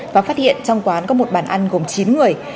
và phát hiện trong quán có một bàn ăn gồm chín người